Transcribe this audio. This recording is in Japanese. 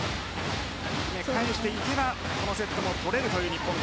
これに対応していけばこのセットも取れるという日本。